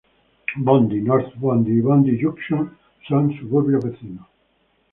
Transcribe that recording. Bondi, North Bondi y Bondi Junction son suburbios vecinos.